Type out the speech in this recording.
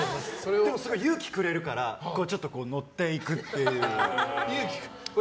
でも、それ勇気くれるからちょっと乗っていくという。